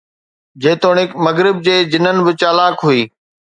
جيتوڻيڪ مغرب جي جنن به چالاڪ هئي